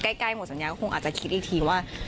ใกล้หมดสัญญาก็คงอาจจะคิดอีกทีว่า